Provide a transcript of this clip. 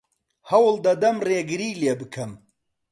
هەوڵ دەدەم ڕێگری لێ بکەم.